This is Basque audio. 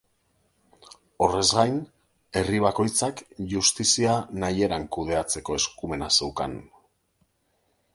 Horrez gain, herri bakoitzak justizia nahi eran kudeatzeko eskumena zeukan.